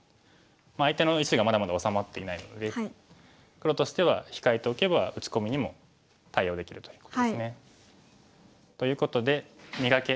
相手の石がまだまだ治まっていないので黒としては控えておけば打ち込みにも対応できるということですね。ということで「磨け！